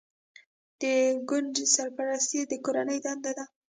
د کونډې سرپرستي د کورنۍ دنده ده.